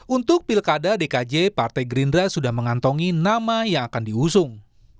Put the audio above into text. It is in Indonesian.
untuk pilkada dkj partai gerindra sudah mengantongi nama yang akan diusung